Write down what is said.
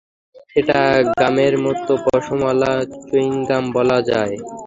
এটা গামের মতো, পশমওয়ালা চুইংগাম বলা যায়।